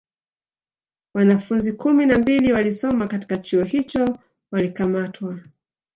Wanafunzi kumi na mbili walisoma katika Chuo hicho walikamatwa